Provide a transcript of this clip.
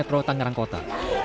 di perotak ngerang kota